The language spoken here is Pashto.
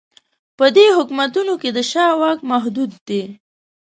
په دې حکومتونو کې د شاه واک محدود دی.